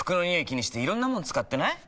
気にしていろんなもの使ってない？